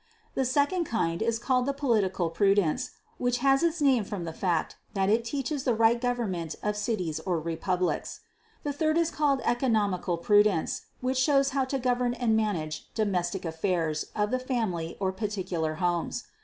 The second kind is called the political prudence, which has its name from the fact that it teaches the right government of cities or republics. The third is called economical prudence, which shows how to govern and manage domestic affairs of the family or particular homes.